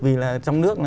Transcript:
vì là trong nước